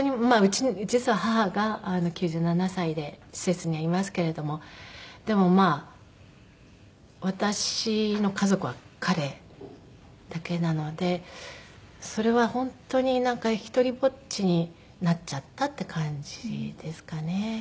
まあうちには実は母が９７歳で施設にはいますけれどもでもまあ私の家族は彼だけなのでそれは本当になんか独りぼっちになっちゃったって感じですかね。